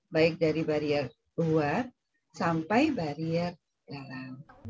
baik dari barier luar sampai barier dalam